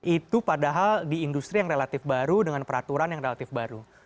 itu padahal di industri yang relatif baru dengan peraturan yang relatif baru